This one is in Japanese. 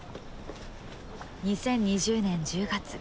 ２０２０年１０月。